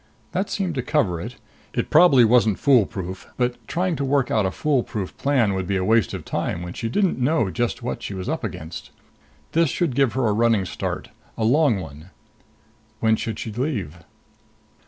That seemed to cover it. It probably wasn't foolproof. But trying to work out a foolproof plan would be a waste of time when she didn't know just what she was up against. This should give her a running start, a long one. When should she leave?